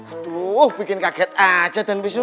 aduh bikin kaget aja den bisu